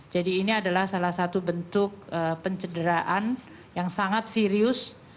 jadi ini adalah salah satu bentuk pencederaan yang sangat serius